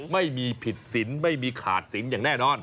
ไม่มีผิดสินไม่มีขาดศิลป์อย่างแน่นอน